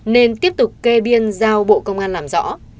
nên tiếp tục kê biên giao bộ công an làm rõ